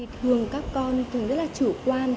thường các con thường rất là chủ quan